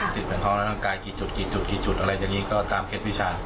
ติดแผนท้องกลางกายกี่จุดอะไรจริงจนตามเคล็ดวิชา